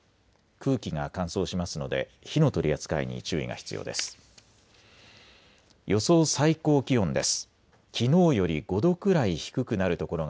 空気が乾燥しますので火の取り扱いに注意が必要です。